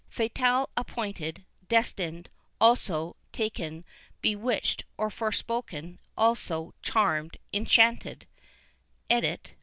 Fatall appointed, destined; also, taken, bewitched or forespoken; also, charmed, inchanted." EDIT.